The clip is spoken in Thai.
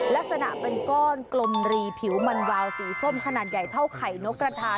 ลักษณะเป็นก้อนกลมรีผิวมันวาวสีส้มขนาดใหญ่เท่าไข่นกกระทา